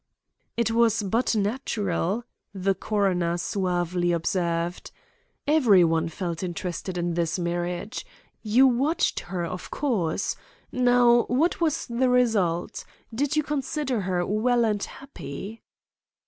"It was but natural," the coroner suavely observed. "Every one felt interested in this marriage. You watched her of course. Now what was the result? Did you consider her well and happy?"